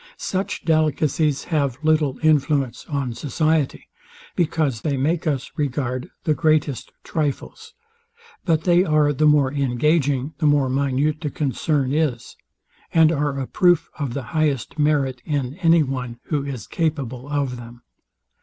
Such delicacies have little influence on society; because they make us regard the greatest trifles: But they are the more engaging, the more minute the concern is, and are a proof of the highest merit in any one, who is capable of them.